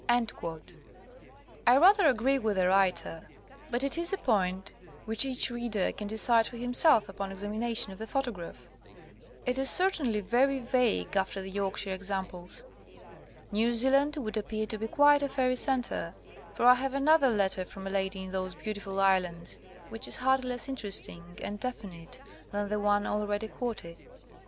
" I rather agree with the writer, but it is a point which each reader can decide for him self upon examination of the photograph. It is certainly very vague after the York shire examples. New Zealand would appear to be quite a fairy centre, for I have another letter from a lady in those beautiful islands, which is hardly less interesting and definite than the one already quoted.